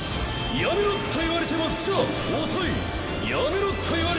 やめろっと言われてもザ・遅い！